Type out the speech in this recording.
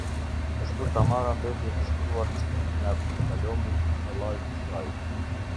Kështu Tamara mbeti e dëshpëruar në shtëpinë e Absalomit, vëllait të saj.